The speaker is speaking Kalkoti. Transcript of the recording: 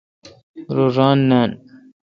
رو ران نان۔